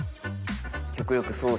極力。